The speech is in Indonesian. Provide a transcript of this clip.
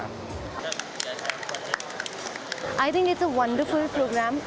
saya pikir ini adalah program yang sangat menakjubkan